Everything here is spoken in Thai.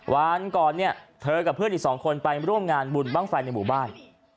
วันก่อนเนี่ยเธอกับเพื่อนอีก๒คนไปร่วมงานบุญบ้างไฟในหมู่บ้าน